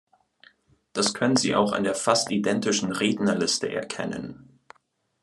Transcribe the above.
Das können Sie auch an der fast identischen Rednerliste erkennen.